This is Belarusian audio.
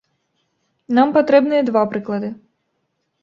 Нам патрэбныя два прыклады.